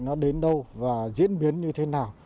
nó đến đâu và diễn biến như thế nào